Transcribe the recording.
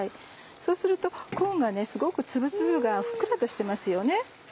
そうするとコーンがすごくツブツブがふっくらとしてますよね。